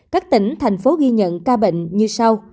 các tỉnh thành phố ghi nhận ca bệnh như sau